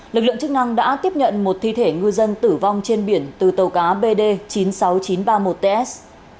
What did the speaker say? lực lượng chức năng đã tiếp nhận một thi thể ngư dân tử vong trên biển từ tàu cá bd chín mươi sáu nghìn chín trăm ba mươi một ts